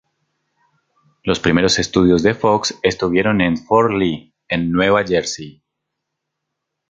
Los primeros estudios de Fox estuvieron en Fort Lee en Nueva Jersey.